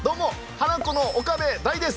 ハナコの岡部大です。